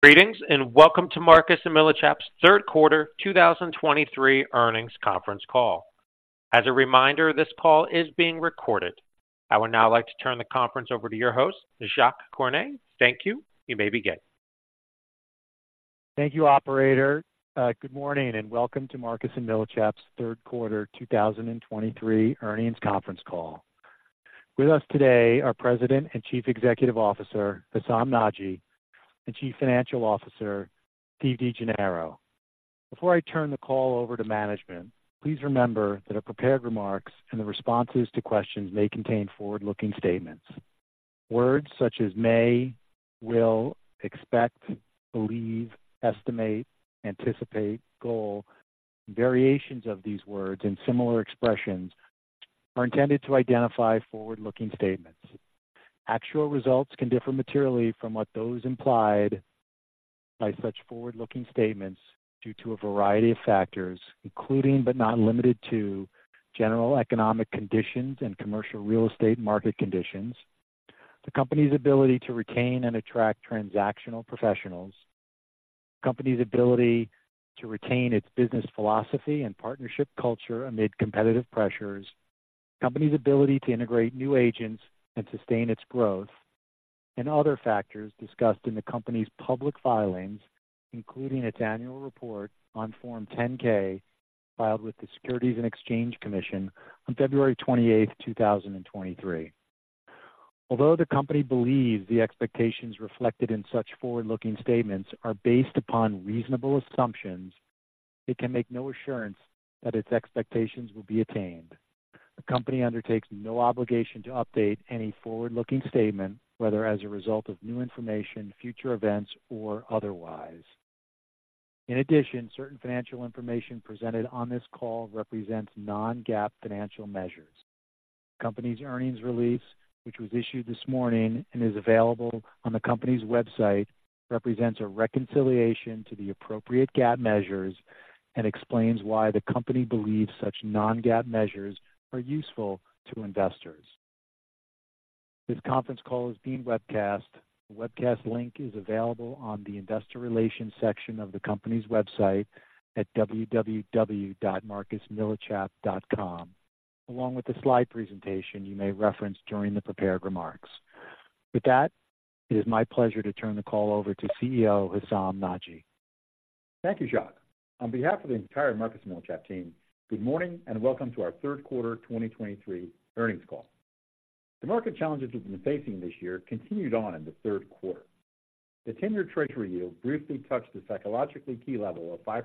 Greetings, and welcome to Marcus & Millichap's third quarter 2023 earnings conference call. As a reminder, this call is being recorded. I would now like to turn the conference over to your host, Jacques Cornet. Thank you. You may begin. Thank you, operator. Good morning, and welcome to Marcus & Millichap's third quarter 2023 earnings conference call. With us today are President and Chief Executive Officer, Hessam Nadji, and Chief Financial Officer, Steve DeGennaro. Before I turn the call over to management, please remember that our prepared remarks and the responses to questions may contain forward-looking statements. Words such as may, will, expect, believe, estimate, anticipate, goal, and variations of these words and similar expressions are intended to identify forward-looking statements. Actual results can differ materially from those implied by such forward-looking statements due to a variety of factors, including, but not limited to, general economic conditions and commercial real estate market conditions, the company's ability to retain and attract transactional professionals, the company's ability to retain its business philosophy and partnership culture amid competitive pressures, the company's ability to integrate new agents and sustain its growth, and other factors discussed in the company's public filings, including its annual report on Form 10-K, filed with the Securities and Exchange Commission on February 28, 2023. Although the company believes the expectations reflected in such forward-looking statements are based upon reasonable assumptions, it can make no assurance that its expectations will be attained. The company undertakes no obligation to update any forward-looking statement, whether as a result of new information, future events, or otherwise. In addition, certain financial information presented on this call represents non-GAAP financial measures. The company's earnings release, which was issued this morning and is available on the company's website, represents a reconciliation to the appropriate GAAP measures and explains why the company believes such non-GAAP measures are useful to investors. This conference call is being webcast. The webcast link is available on the Investor Relations section of the company's website at www.marcusmillichap.com, along with the slide presentation you may reference during the prepared remarks. With that, it is my pleasure to turn the call over to CEO, Hessam Nadji. Thank you, Jacques. On behalf of the entire Marcus & Millichap team, good morning, and welcome to our third quarter 2023 earnings call. The market challenges we've been facing this year continued on in the third quarter. The 10-year Treasury yield briefly touched the psychologically key level of 5%,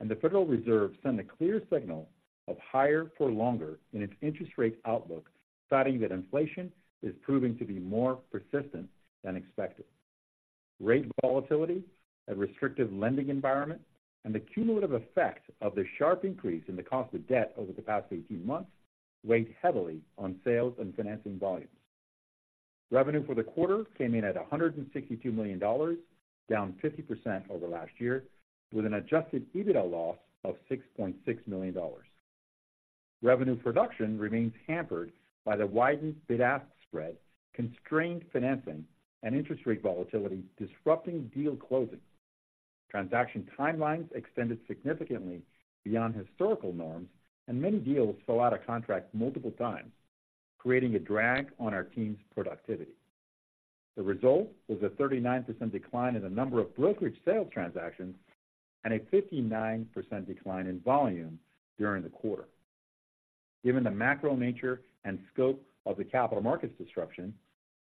and the Federal Reserve sent a clear signal of higher for longer in its interest rate outlook, citing that inflation is proving to be more persistent than expected. Rate volatility, a restrictive lending environment, and the cumulative effect of the sharp increase in the cost of debt over the past 18 months weighed heavily on sales and financing volumes. Revenue for the quarter came in at $162 million, down 50% over last year, with an adjusted EBITDA loss of $6.6 million. Revenue production remains hampered by the widened bid-ask spread, constrained financing, and interest rate volatility, disrupting deal closings. Transaction timelines extended significantly beyond historical norms, and many deals fell out of contract multiple times, creating a drag on our team's productivity. The result was a 39% decline in the number of brokerage sales transactions and a 59% decline in volume during the quarter. Given the macro nature and scope of the capital markets disruption,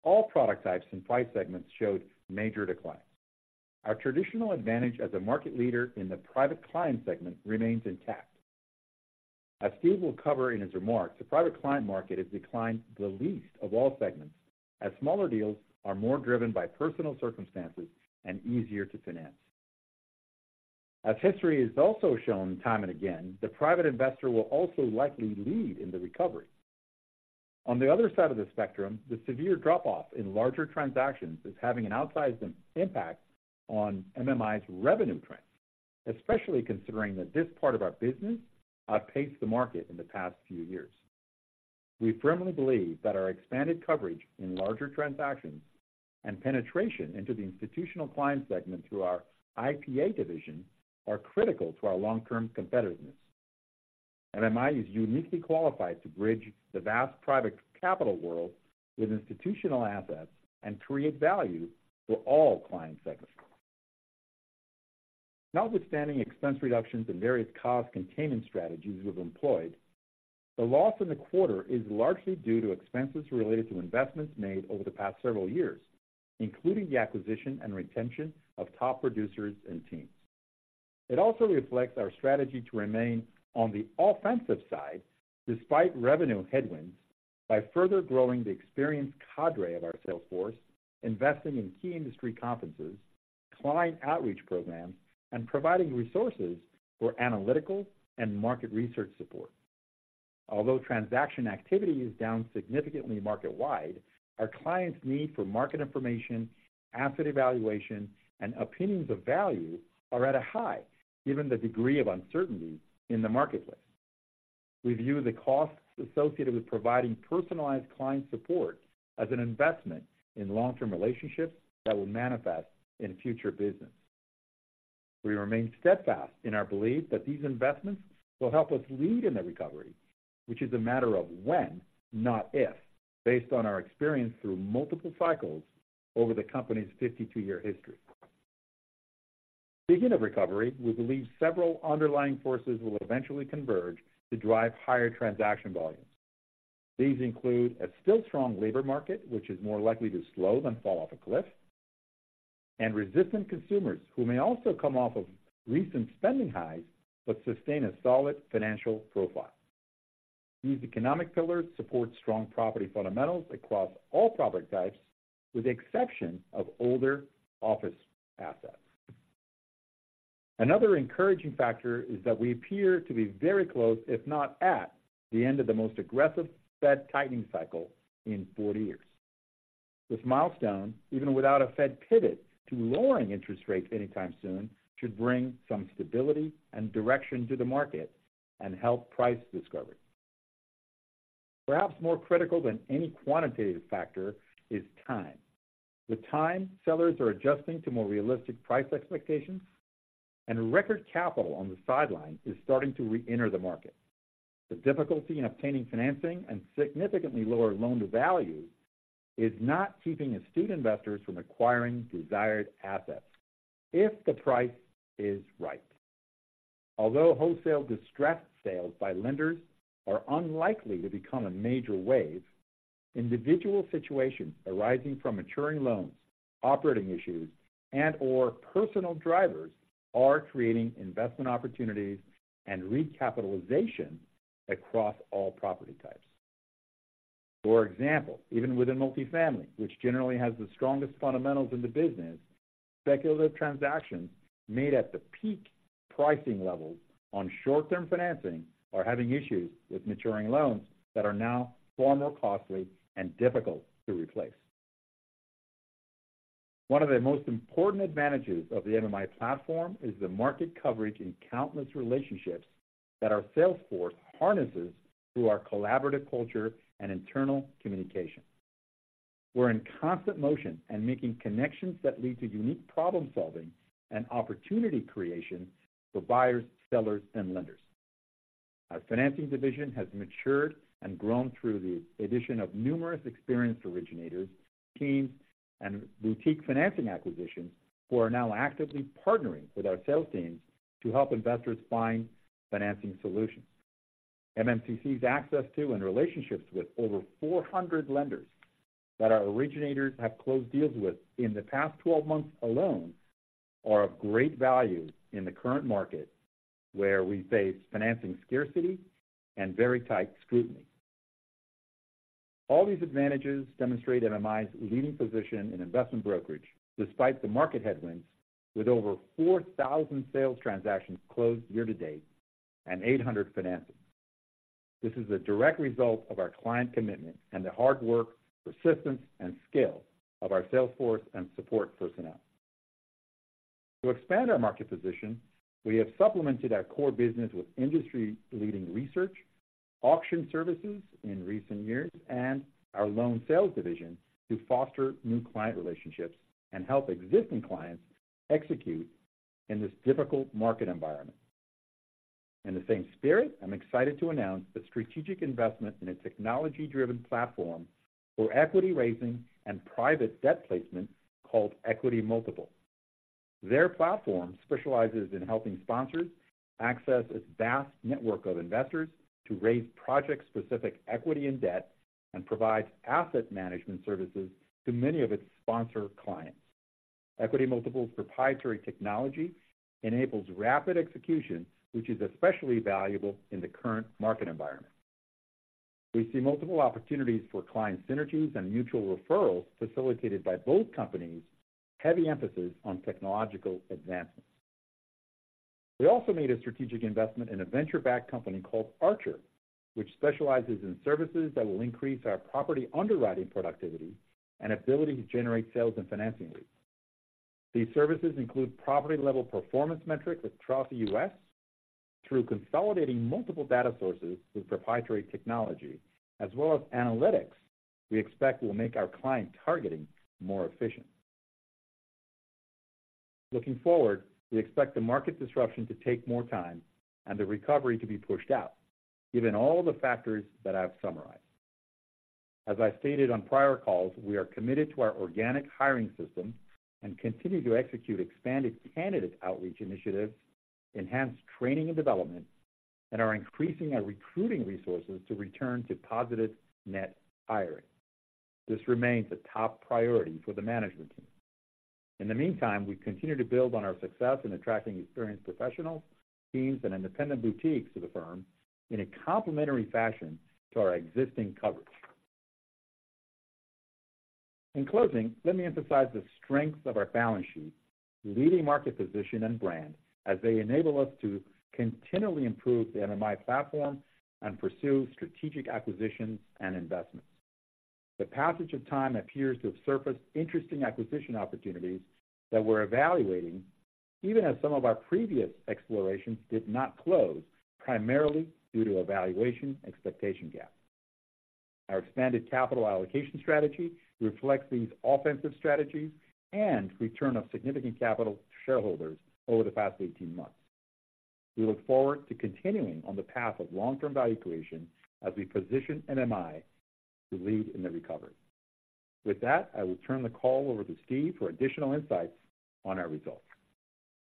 all product types and price segments showed major declines. Our traditional advantage as a market leader in the Private Client segment remains intact. As Steve will cover in his remarks, the Private Client market has declined the least of all segments, as smaller deals are more driven by personal circumstances and easier to finance. As history has also shown time and again, the private investor will also likely lead in the recovery. On the other side of the spectrum, the severe drop-off in larger transactions is having an outsized impact on MMI's revenue trends, especially considering that this part of our business outpaced the market in the past few years. We firmly believe that our expanded coverage in larger transactions and penetration into the institutional client segment through our IPA division are critical to our long-term competitiveness. MMI is uniquely qualified to bridge the vast private capital world with institutional assets and create value for all client segments. Notwithstanding expense reductions and various cost containment strategies we've employed, the loss in the quarter is largely due to expenses related to investments made over the past several years, including the acquisition and retention of top producers and teams. It also reflects our strategy to remain on the offensive side despite revenue headwinds, by further growing the experienced cadre of our sales force, investing in key industry conferences, client outreach programs, and providing resources for analytical and market research support. Although transaction activity is down significantly market-wide, our clients' need for market information, asset evaluation, and opinions of value are at a high, given the degree of uncertainty in the marketplace. We view the costs associated with providing personalized client support as an investment in long-term relationships that will manifest in future business. We remain steadfast in our belief that these investments will help us lead in the recovery, which is a matter of when, not if, based on our experience through multiple cycles over the company's 52-year history. Speaking of recovery, we believe several underlying forces will eventually converge to drive higher transaction volumes. These include a still strong labor market, which is more likely to slow than fall off a cliff, and resistant consumers who may also come off of recent spending highs, but sustain a solid financial profile. These economic pillars support strong property fundamentals across all product types, with the exception of older office assets. Another encouraging factor is that we appear to be very close, if not at, the end of the most aggressive Fed tightening cycle in 40 years. This milestone, even without a Fed pivot to lowering interest rates anytime soon, should bring some stability and direction to the market and help price discovery. Perhaps more critical than any quantitative factor is time. With time, sellers are adjusting to more realistic price expectations, and record capital on the sideline is starting to reenter the market. The difficulty in obtaining financing and significantly lower loan-to-value is not keeping astute investors from acquiring desired assets if the price is right. Although wholesale distressed sales by lenders are unlikely to become a major wave, individual situations arising from maturing loans, operating issues, and/or personal drivers are creating investment opportunities and recapitalization across all property types. For example, even within multifamily, which generally has the strongest fundamentals in the business, speculative transactions made at the peak pricing levels on short-term financing are having issues with maturing loans that are now far more costly and difficult to replace. One of the most important advantages of the MMI platform is the market coverage and countless relationships that our sales force harnesses through our collaborative culture and internal communication. We're in constant motion and making connections that lead to unique problem-solving and opportunity creation for buyers, sellers, and lenders. Our financing division has matured and grown through the addition of numerous experienced originators, teams, and boutique financing acquisitions, who are now actively partnering with our sales teams to help investors find financing solutions. MMCC's access to and relationships with over 400 lenders that our originators have closed deals with in the past 12 months alone, are of great value in the current market, where we face financing scarcity and very tight scrutiny. All these advantages demonstrate MMI's leading position in investment brokerage, despite the market headwinds, with over 4,000 sales transactions closed year to date and 800 financings. This is a direct result of our client commitment and the hard work, persistence, and skill of our sales force and support personnel. To expand our market position, we have supplemented our core business with industry-leading research, auction services in recent years, and our loan sales division to foster new client relationships and help existing clients execute in this difficult market environment. In the same spirit, I'm excited to announce the strategic investment in a technology-driven platform for equity raising and private debt placement called EquityMultiple. Their platform specializes in helping sponsors access its vast network of investors to raise project-specific equity and debt, and provides asset management services to many of its sponsor clients. EquityMultiple's proprietary technology enables rapid execution, which is especially valuable in the current market environment. We see multiple opportunities for client synergies and mutual referrals facilitated by both companies, heavy emphasis on technological advancements. We also made a strategic investment in a venture-backed company called Archer, which specializes in services that will increase our property underwriting productivity and ability to generate sales and financing leads. These services include property-level performance metrics across the U.S. through consolidating multiple data sources with proprietary technology, as well as analytics we expect will make our client targeting more efficient. Looking forward, we expect the market disruption to take more time and the recovery to be pushed out, given all the factors that I've summarized. As I stated on prior calls, we are committed to our organic hiring system and continue to execute expanded candidate outreach initiatives, enhance training and development, and are increasing our recruiting resources to return to positive net hiring. This remains a top priority for the management team. In the meantime, we continue to build on our success in attracting experienced professionals, teams, and independent boutiques to the firm in a complementary fashion to our existing coverage. In closing, let me emphasize the strengths of our balance sheet, leading market position, and brand as they enable us to continually improve the MMI platform and pursue strategic acquisitions and investments. The passage of time appears to have surfaced interesting acquisition opportunities that we're evaluating, even as some of our previous explorations did not close, primarily due to a valuation expectation gap. Our expanded capital allocation strategy reflects these offensive strategies and return of significant capital to shareholders over the past 18 months. We look forward to continuing on the path of long-term value creation as we position MMI to lead in the recovery. With that, I will turn the call over to Steve for additional insights on our results.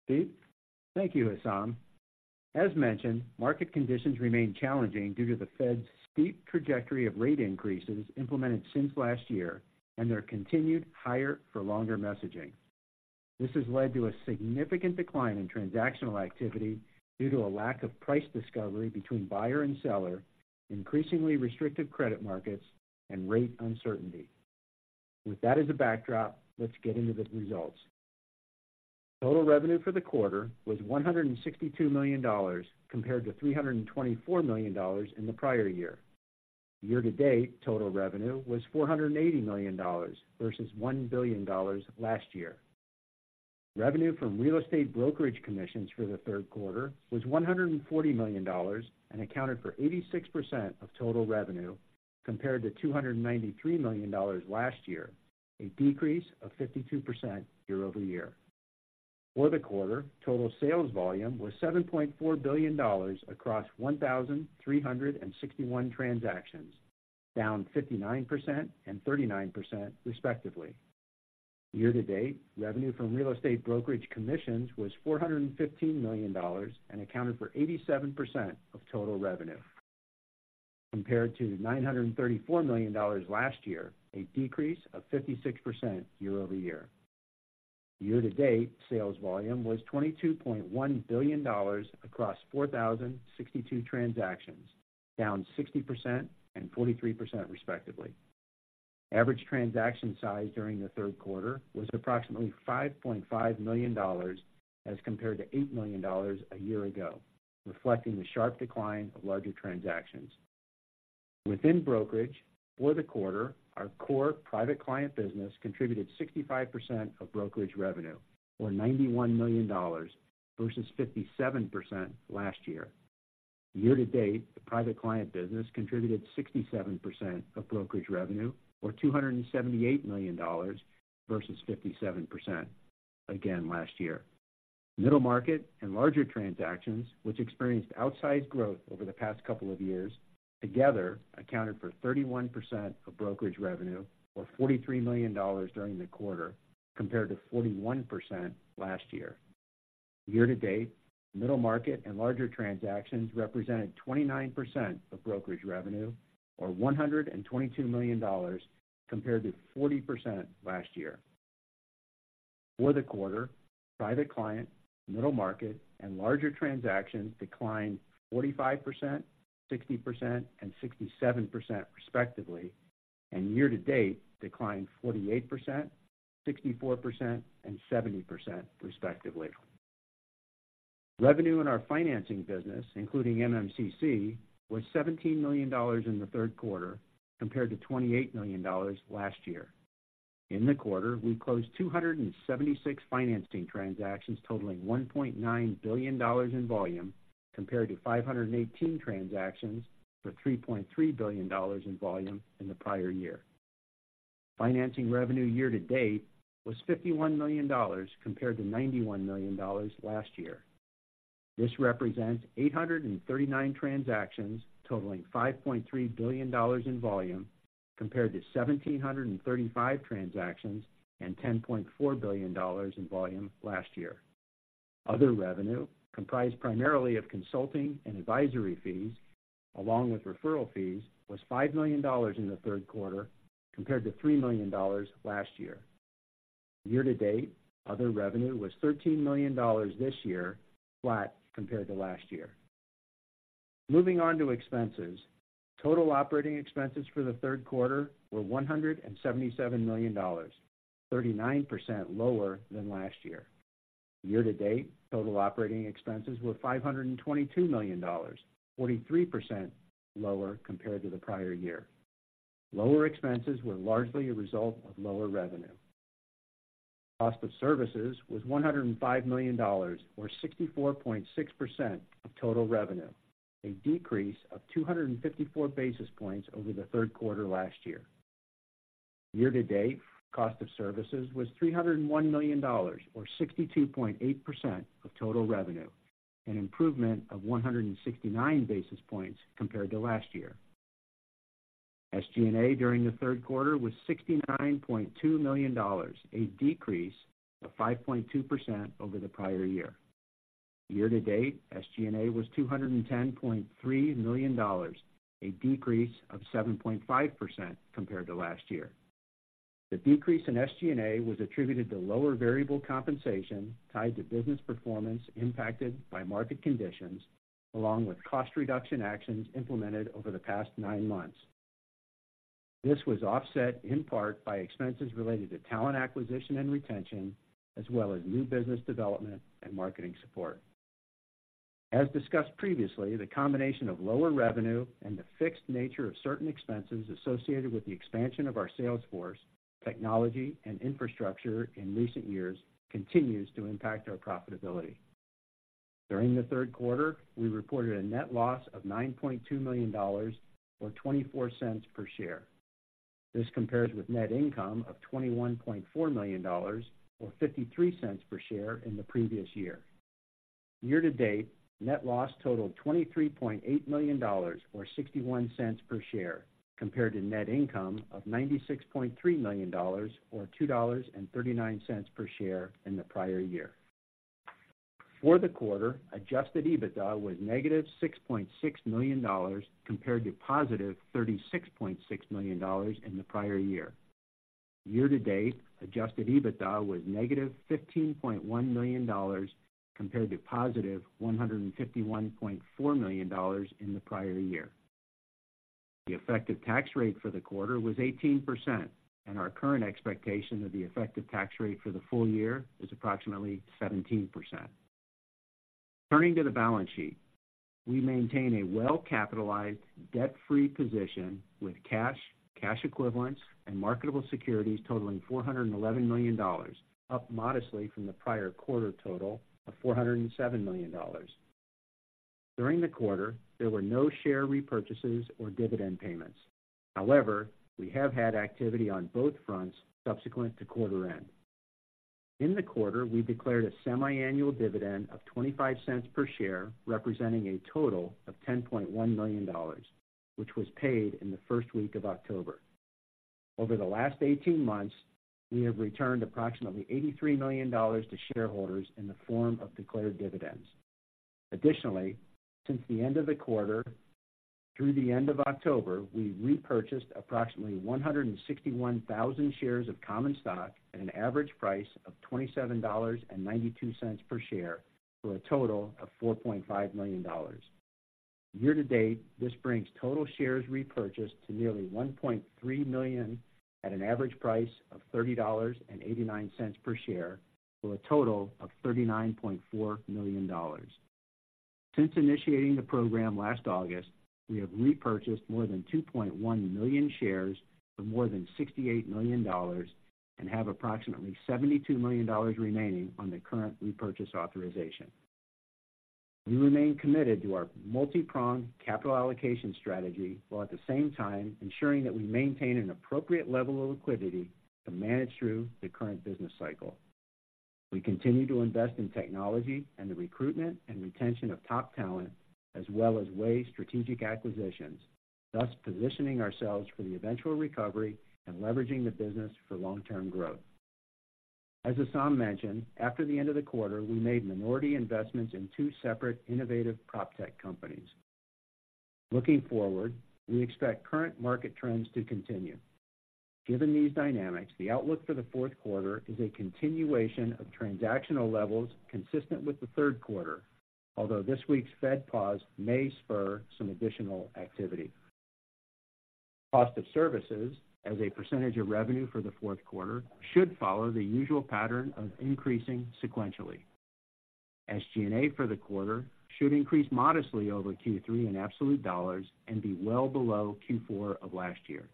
Steve? Thank you, Hessam. As mentioned, market conditions remain challenging due to the Fed's steep trajectory of rate increases implemented since last year and their continued higher for longer messaging. This has led to a significant decline in transactional activity due to a lack of price discovery between buyer and seller, increasingly restrictive credit markets, and rate uncertainty. With that as a backdrop, let's get into the results. Total revenue for the quarter was $162 million, compared to $324 million in the prior year. Year to date, total revenue was $480 million, versus $1 billion last year. Revenue from real estate brokerage commissions for the third quarter was $140 million and accounted for 86% of total revenue, compared to $293 million last year, a decrease of 52% year-over-year. For the quarter, total sales volume was $7.4 billion across 1,361 transactions, down 59% and 39% respectively. Year to date, revenue from real estate brokerage commissions was $415 million and accounted for 87% of total revenue, compared to $934 million last year, a decrease of 56% year-over-year. Year to date, sales volume was $22.1 billion across 4,062 transactions, down 60% and 43%, respectively. Average transaction size during the third quarter was approximately $5.5 million, as compared to $8 million a year ago, reflecting the sharp decline of larger transactions. Within brokerage, for the quarter, our core private client business contributed 65% of brokerage revenue, or $91 million, versus 57% last year. Year to date, the private client business contributed 67% of brokerage revenue, or $278 million, versus 57%, again last year. Middle market and larger transactions, which experienced outsized growth over the past couple of years, together accounted for 31% of brokerage revenue or $43 million during the quarter, compared to 41% last year. Year to date, middle market and larger transactions represented 29% of brokerage revenue, or $122 million, compared to 40% last year. For the quarter, private client, middle market and larger transactions declined 45%, 60% and 67%, respectively, and year to date, declined 48%, 64% and 70%, respectively. Revenue in our financing business, including MMCC, was $17 million in the third quarter, compared to $28 million last year. In the quarter, we closed 276 financing transactions totaling $1.9 billion in volume, compared to 518 transactions for $3.3 billion in volume in the prior year. Financing revenue year to date was $51 million, compared to $91 million last year. This represents 839 transactions totaling $5.3 billion in volume, compared to 1,735 transactions and $10.4 billion in volume last year. Other revenue, comprised primarily of consulting and advisory fees, along with referral fees, was $5 million in the third quarter, compared to $3 million last year. Year to date, other revenue was $13 million this year, flat compared to last year. Moving on to expenses. Total operating expenses for the third quarter were $177 million, 39% lower than last year. Year to date, total operating expenses were $522 million, 43% lower compared to the prior year. Lower expenses were largely a result of lower revenue. Cost of services was $105 million, or 64.6% of total revenue, a decrease of 254 basis points over the third quarter last year. Year to date, cost of services was $301 million, or 62.8% of total revenue, an improvement of 169 basis points compared to last year. SG&A during the third quarter was $69.2 million, a decrease of 5.2% over the prior year. Year to date, SG&A was $210.3 million, a decrease of 7.5% compared to last year. The decrease in SG&A was attributed to lower variable compensation tied to business performance impacted by market conditions, along with cost reduction actions implemented over the past nine months. This was offset in part by expenses related to talent acquisition and retention, as well as new business development and marketing support. As discussed previously, the combination of lower revenue and the fixed nature of certain expenses associated with the expansion of our sales force, technology, and infrastructure in recent years, continues to impact our profitability. During the third quarter, we reported a net loss of $9.2 million, or $0.24 per share. This compares with net income of $21.4 million, or $0.53 per share in the previous year. Year to date, net loss totaled $23.8 million, or $0.61 per share, compared to net income of $96.3 million, or $2.39 per share in the prior year. For the quarter, Adjusted EBITDA was -$6.6 million, compared to $36.6 million in the prior year. Year to date, Adjusted EBITDA was -$15.1 million, compared to $151.4 million in the prior year. The effective tax rate for the quarter was 18%, and our current expectation of the effective tax rate for the full year is approximately 17%. Turning to the balance sheet, we maintain a well-capitalized, debt-free position with cash, cash equivalents, and marketable securities totaling $411 million, up modestly from the prior quarter total of $407 million. During the quarter, there were no share repurchases or dividend payments. However, we have had activity on both fronts subsequent to quarter end. In the quarter, we declared a semiannual dividend of $0.25 per share, representing a total of $10.1 million, which was paid in the first week of October. Over the last 18 months, we have returned approximately $83 million to shareholders in the form of declared dividends. Additionally, since the end of the quarter through the end of October, we repurchased approximately 161,000 shares of common stock at an average price of $27.92 per share, for a total of $4.5 million. Year to date, this brings total shares repurchased to nearly 1.3 million at an average price of $30.89 per share, for a total of $39.4 million. Since initiating the program last August, we have repurchased more than 2.1 million shares for more than $68 million and have approximately $72 million remaining on the current repurchase authorization. We remain committed to our multipronged capital allocation strategy, while at the same time ensuring that we maintain an appropriate level of liquidity to manage through the current business cycle. We continue to invest in technology and the recruitment and retention of top talent, as well as via strategic acquisitions, thus positioning ourselves for the eventual recovery and leveraging the business for long-term growth. As Hessam mentioned, after the end of the quarter, we made minority investments in two separate innovative proptech companies. Looking forward, we expect current market trends to continue. Given these dynamics, the outlook for the fourth quarter is a continuation of transactional levels consistent with the third quarter, although this week's Federal pause may spur some additional activity. Cost of services as a percentage of revenue for the fourth quarter should follow the usual pattern of increasing sequentially. SG&A for the quarter should increase modestly over Q3 in absolute dollars and be well below Q4 of last year.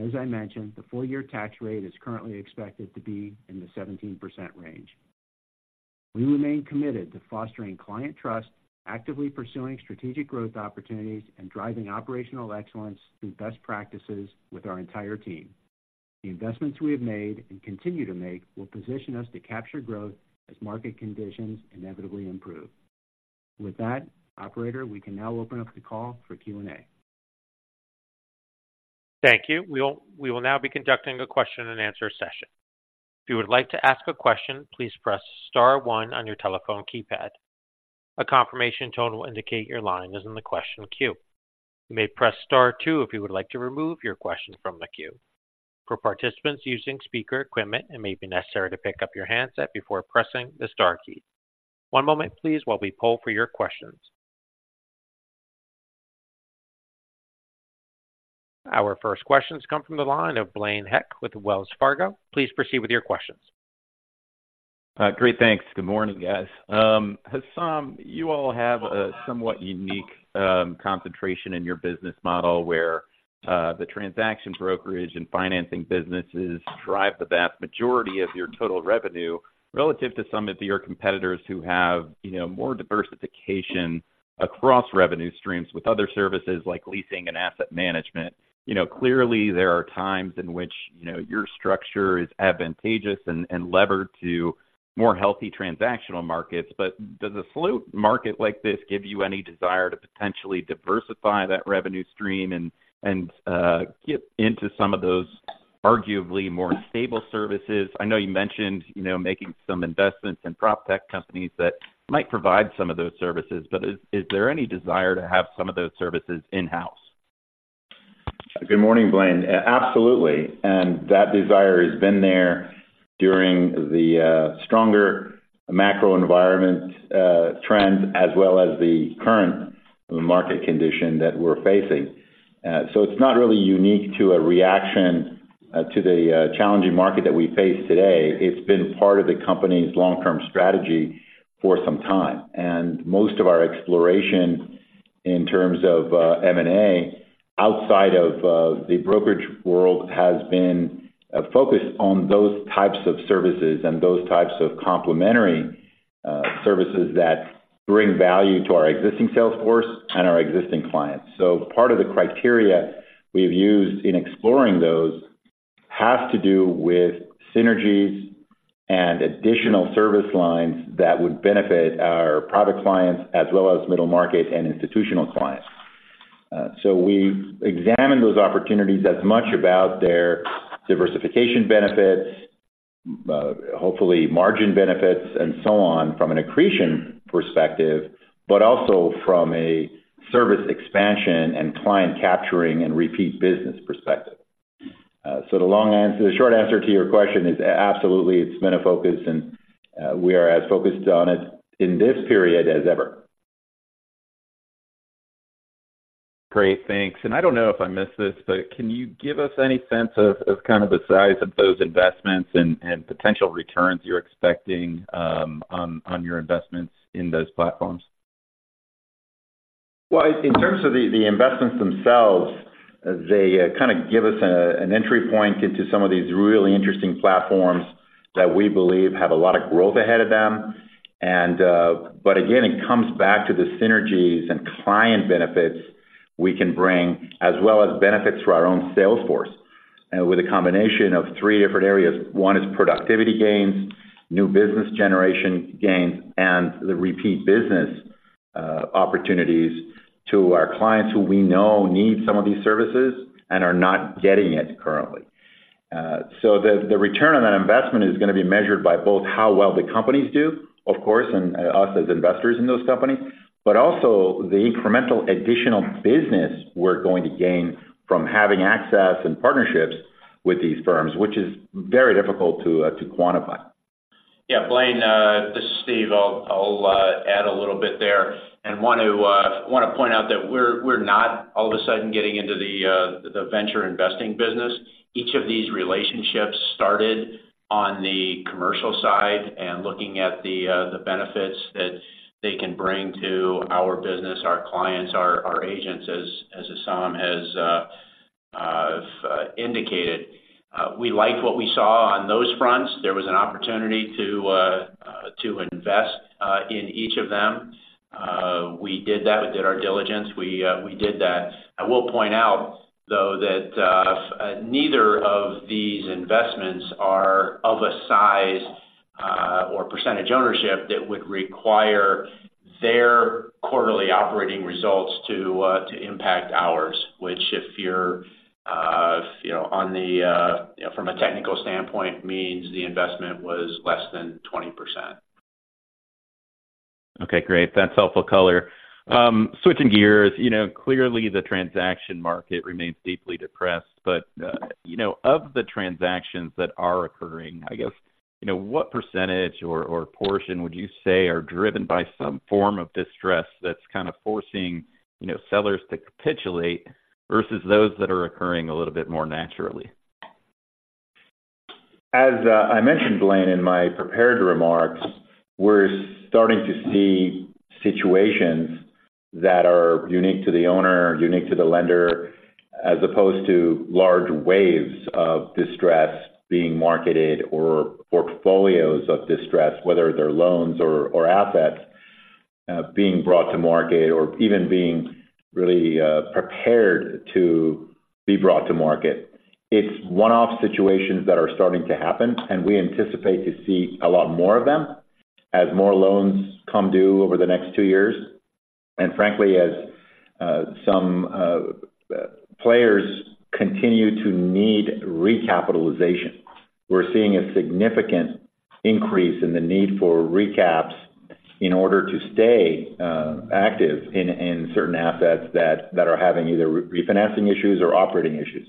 As I mentioned, the full year tax rate is currently expected to be in the 17% range. We remain committed to fostering client trust, actively pursuing strategic growth opportunities, and driving operational excellence through best practices with our entire team. The investments we have made and continue to make will position us to capture growth as market conditions inevitably improve. With that, operator, we can now open up the call for Q&A. Thank you. We will now be conducting a question and answer session. If you would like to ask a question, please press Star one on your telephone keypad. A confirmation tone will indicate your line is in the question queue. You may press Star two if you would like to remove your question from the queue. For participants using speaker equipment, it may be necessary to pick up your handset before pressing the Star key. One moment please, while we poll for your questions. Our first questions come from the line of Blaine Heck with Wells Fargo. Please proceed with your questions. Great, thanks. Good morning, guys. Hessam, you all have a somewhat unique concentration in your business model, where the transaction brokerage and financing businesses drive the vast majority of your total revenue, relative to some of your competitors who have, you know, more diversification across revenue streams with other services like leasing and asset management. You know, clearly there are times in which, you know, your structure is advantageous and levered to more healthy transactional markets. But does a slow market like this give you any desire to potentially diversify that revenue stream and get into some of those arguably more stable services? I know you mentioned, you know, making some investments in proptech companies that might provide some of those services, but is there any desire to have some of those services in-house? Good morning, Blaine. Absolutely, and that desire has been there during the, stronger macro environment, trends, as well as. Current market condition that we're facing. So it's not really unique to a reaction to the challenging market that we face today. It's been part of the company's long-term strategy for some time, and most of our exploration in terms of M&A, outside of the brokerage world, has been focused on those types of services and those types of complementary services that bring value to our existing sales force and our existing clients. So part of the criteria we've used in exploring those has to do with synergies and additional service lines that would benefit our private clients, as well as middle-market and institutional clients. So we examine those opportunities as much about their diversification benefits, hopefully margin benefits, and so on, from an accretion perspective, but also from a service expansion and client capturing and repeat business perspective. So the long answer, the short answer to your question is, absolutely, it's been a focus, and we are as focused on it in this period as ever. Great, thanks. I don't know if I missed this, but can you give us any sense of kind of the size of those investments and potential returns you're expecting, on your investments in those platforms? Well, in terms of the investments themselves, they kind of give us an entry point into some of these really interesting platforms that we believe have a lot of growth ahead of them. And, but again, it comes back to the synergies and client benefits we can bring, as well as benefits for our own sales force, with a combination of three different areas. One is productivity gains, new business generation gains, and the repeat business opportunities to our clients who we know need some of these services and are not getting it currently. So the return on that investment is going to be measured by both how well the companies do, of course, and us as investors in those companies, but also the incremental additional business we're going to gain from having access and partnerships with these firms, which is very difficult to quantify. Yeah, Blaine, this is Steve. I'll add a little bit there, and want to point out that we're not all of a sudden getting into the venture investing business. Each of these relationships started on the commercial side and looking at the benefits that they can bring to our business, our clients, our agents, as Hessam has indicated. We liked what we saw on those fronts. There was an opportunity to invest in each of them. We did that. We did our diligence. We did that. I will point out, though, that neither of these investments are of a size or percentage ownership that would require their quarterly operating results to impact ours, which if you're, you know, on the, you know, from a technical standpoint, means the investment was less than 20%. Okay, great. That's helpful color. Switching gears, you know, clearly the transaction market remains deeply depressed, but, you know, of the transactions that are occurring, I guess, you know, what percentage or, or portion would you say are driven by some form of distress that's kind of forcing, you know, sellers to capitulate versus those that are occurring a little bit more naturally? As I mentioned, Blaine, in my prepared remarks, we're starting to see situations that are unique to the owner, unique to the lender, as opposed to large waves of distress being marketed or portfolios of distress, whether they're loans or assets being brought to market or even being really prepared to be brought to market. It's one-off situations that are starting to happen, and we anticipate to see a lot more of them as more loans come due over the next two years. And frankly, as some players continue to need recapitalization. We're seeing a significant increase in the need for recaps in order to stay active in certain assets that are having either refinancing issues or operating issues.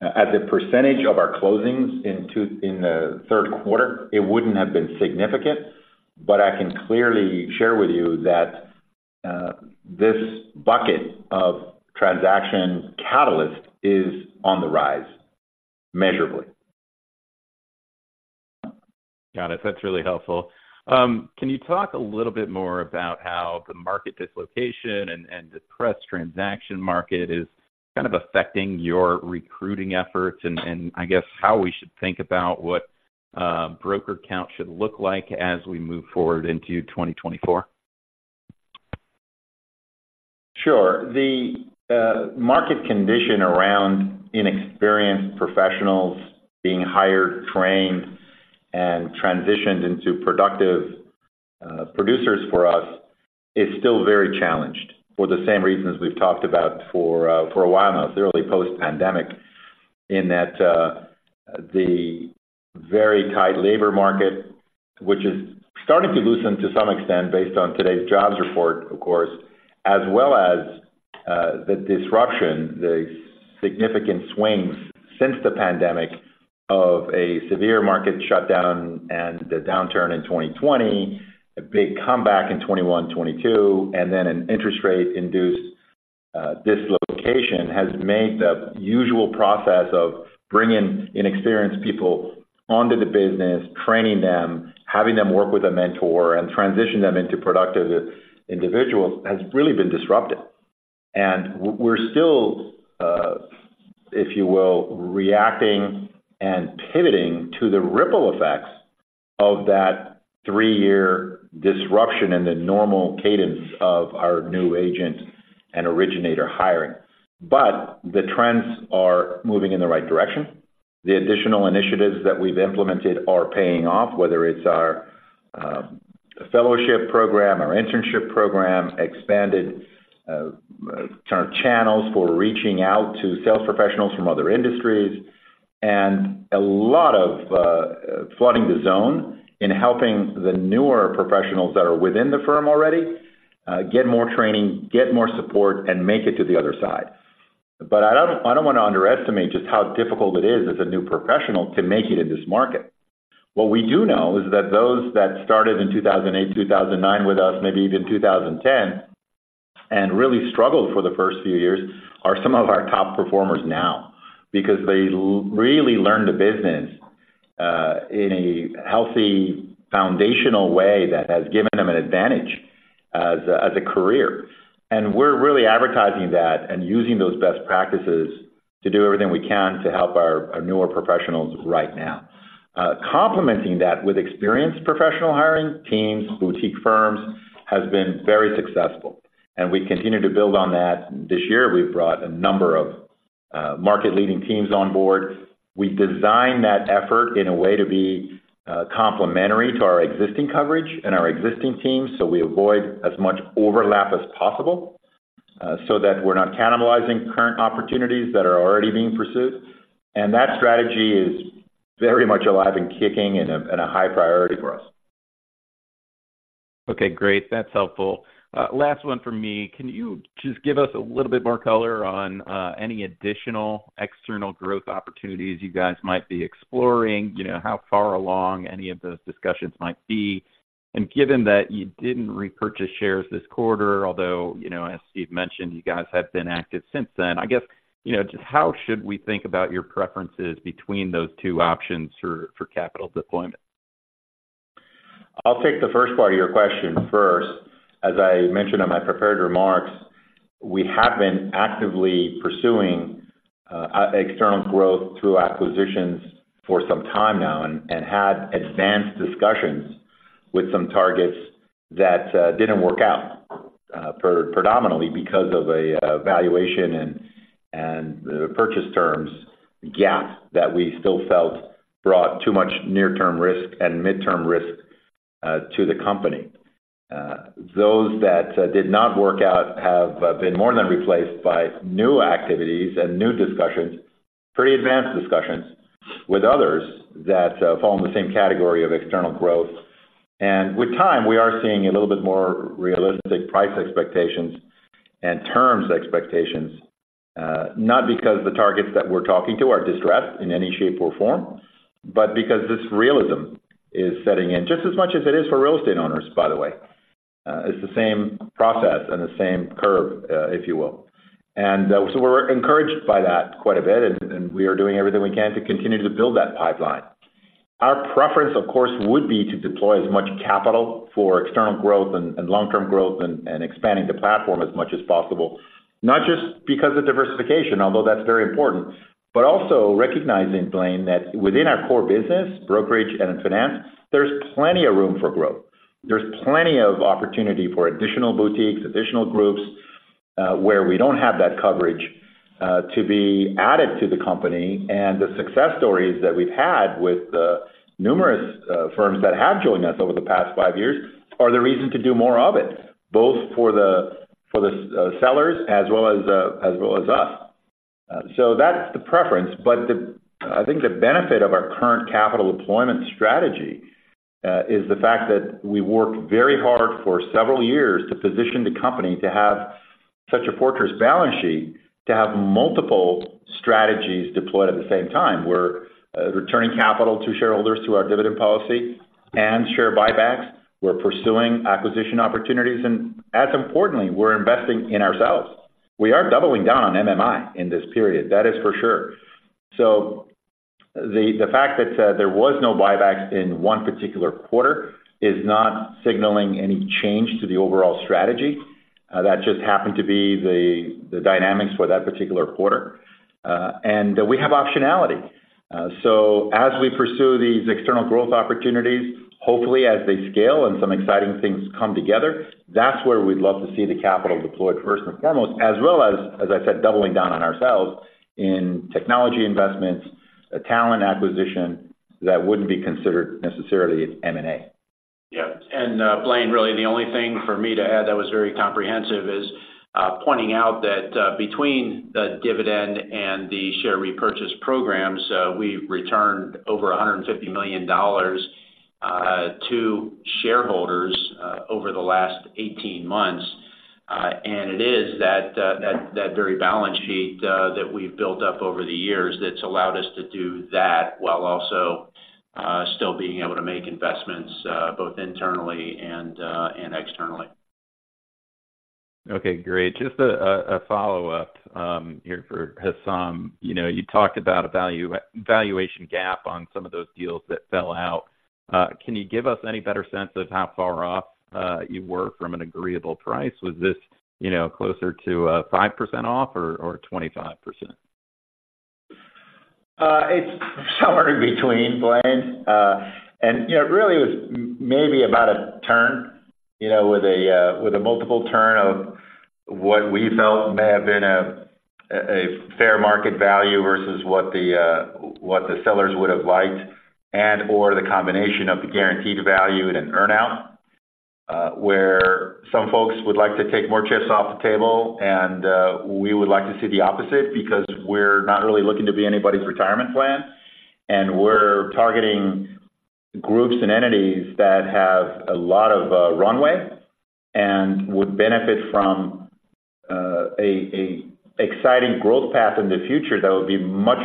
As a percentage of our closings in the third quarter, it wouldn't have been significant, but I can clearly share with you that this bucket of transaction catalyst is on the rise, measurably. Got it. That's really helpful. Can you talk a little bit more about how the market dislocation and depressed transaction market is kind of affecting your recruiting efforts? And I guess how we should think about what broker count should look like as we move forward into 2024. Sure. The market condition around inexperienced professionals being hired, trained, and transitioned into productive producers for us is still very challenged for the same reasons we've talked about for a while now, since early post-pandemic. In that, the very tight labor market, which is starting to loosen to some extent based on today's jobs report, of course, as well as the disruption, the significant swings since the pandemic of a severe market shutdown and the downturn in 2020, a big comeback in 2021, 2022, and then an interest rate-induced dislocation, has made the usual process of bringing inexperienced people onto the business, training them, having them work with a mentor, and transition them into productive individuals, has really been disrupted. We're still, if you will, reacting and pivoting to the ripple effects of that three-year disruption in the normal cadence of our new agent and originator hiring. But the trends are moving in the right direction. The additional initiatives that we've implemented are paying off, whether it's our fellowship program, our internship program, expanded kind of channels for reaching out to sales professionals from other industries, and a lot of flooding the zone in helping the newer professionals that are within the firm already get more training, get more support, and make it to the other side. But I don't want to underestimate just how difficult it is as a new professional to make it in this market. What we do know is that those that started in 2008, 2009 with us, maybe even 2010, and really struggled for the first few years, are some of our top performers now. Because they really learned the business in a healthy, foundational way that has given them an advantage as a career. And we're really advertising that and using those best practices to do everything we can to help our newer professionals right now. Complementing that with experienced professional hiring, teams, boutique firms, has been very successful, and we continue to build on that. This year, we've brought a number of market-leading teams on board. We've designed that effort in a way to be complementary to our existing coverage and our existing teams, so we avoid as much overlap as possible, so that we're not cannibalizing current opportunities that are already being pursued. And that strategy is very much alive and kicking and a high priority for us. Okay, great. That's helpful. Last one from me. Can you just give us a little bit more color on any additional external growth opportunities you guys might be exploring? You know, how far along any of those discussions might be? And given that you didn't repurchase shares this quarter, although, you know, as Steve mentioned, you guys have been active since then. I guess, you know, just how should we think about your preferences between those two options for capital deployment? I'll take the first part of your question first. As I mentioned in my prepared remarks, we have been actively pursuing external growth through acquisitions for some time now, and had advanced discussions with some targets that didn't work out, predominantly because of a valuation and purchase terms gap that we still felt brought too much near-term risk and midterm risk to the company. Those that did not work out have been more than replaced by new activities and new discussions, pretty advanced discussions, with others that fall in the same category of external growth. And with time, we are seeing a little bit more realistic price expectations and terms expectations, not because the targets that we're talking to are distressed in any shape or form, but because this realism is setting in, just as much as it is for real estate owners, by the way. It's the same process and the same curve, if you will. And, so we're encouraged by that quite a bit, and, and we are doing everything we can to continue to build that pipeline. Our preference, of course, would be to deploy as much capital for external growth and, and long-term growth and, and expanding the platform as much as possible. Not just because of diversification, although that's very important, but also recognizing, Blaine, that within our core business, brokerage and in finance, there's plenty of room for growth. There's plenty of opportunity for additional boutiques, additional groups, where we don't have that coverage, to be added to the company. And the success stories that we've had with the numerous firms that have joined us over the past five years are the reason to do more of it, both for the sellers as well as us. So that's the preference, but I think the benefit of our current capital deployment strategy is the fact that we worked very hard for several years to position the company to have such a fortress balance sheet, to have multiple strategies deployed at the same time. We're returning capital to shareholders through our dividend policy and share buybacks. We're pursuing acquisition opportunities, and as importantly, we're investing in ourselves. We are doubling down on MMI in this period. That is for sure. So the fact that there was no buybacks in one particular quarter is not signaling any change to the overall strategy. That just happened to be the dynamics for that particular quarter. And we have optionality. So as we pursue these external growth opportunities, hopefully, as they scale and some exciting things come together, that's where we'd love to see the capital deployed first and foremost, as well as, as I said, doubling down on ourselves in technology investments, a talent acquisition that wouldn't be considered necessarily M&A. Yeah, and, Blaine, really the only thing for me to add, that was very comprehensive, is, pointing out that, between the dividend and the share repurchase programs, we returned over $150 million- To shareholders over the last 18 months. And it is that very balance sheet that we've built up over the years that's allowed us to do that, while also still being able to make investments both internally and externally. Okay, great. Just a follow-up here for Hessam. You know, you talked about a valuation gap on some of those deals that fell out. Can you give us any better sense of how far off you were from an agreeable price? Was this, you know, closer to 5% off or 25%? It's somewhere in between, Blaine. And, you know, really it was maybe about a turn, you know, with a multiple turn of what we felt may have been a fair market value versus what the sellers would have liked, and/or the combination of the guaranteed value in an earn-out, where some folks would like to take more chips off the table, and we would like to see the opposite because we're not really looking to be anybody's retirement plan. And we're targeting groups and entities that have a lot of runway and would benefit from a exciting growth path in the future that would be much,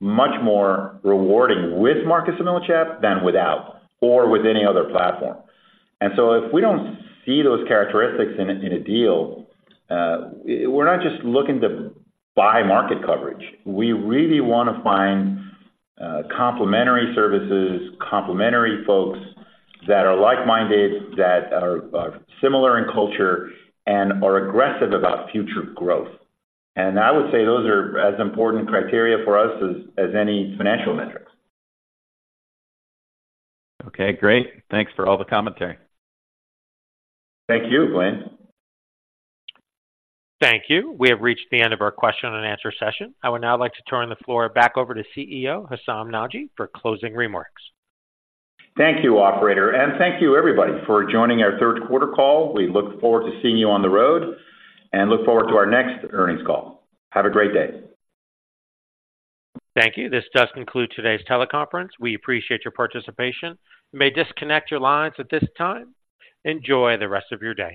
much more rewarding with Marcus & Millichap than without, or with any other platform. If we don't see those characteristics in a deal, we're not just looking to buy market coverage. We really want to find complementary services, complementary folks that are like-minded, that are similar in culture and are aggressive about future growth. I would say those are as important criteria for us as any financial metrics. Okay, great. Thanks for all the commentary. Thank you, Blaine. Thank you. We have reached the end of our question and answer session. I would now like to turn the floor back over to CEO, Hessam Nadji, for closing remarks. Thank you, operator, and thank you everybody for joining our third quarter call. We look forward to seeing you on the road and look forward to our next earnings call. Have a great day. Thank you. This does conclude today's teleconference. We appreciate your participation. You may disconnect your lines at this time. Enjoy the rest of your day.